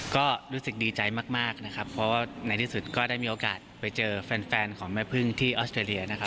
ก็รู้สึกดีใจมากนะครับเพราะว่าในที่สุดก็ได้มีโอกาสไปเจอแฟนของแม่พึ่งที่ออสเตรเลียนะครับ